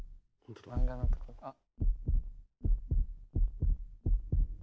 漫画のとこあっ。